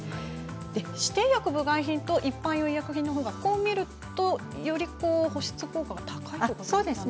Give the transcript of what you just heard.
指定医薬部外品と一般用医薬品のほうがより保湿効果が高いということですか？